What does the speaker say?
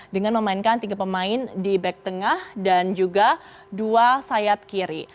dengan memainkan tiga pemain di back tengah dan juga dua sayap kiri